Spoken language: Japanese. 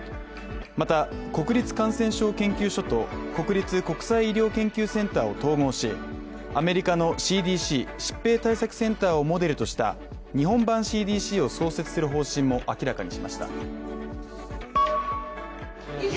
また、国立感染症研究所と国立国際医療研究センターを統合しアメリカのＣＤＣ＝疾病対策センターをモデルとした日本版ＣＤＣを創設する方針も明らかにしました。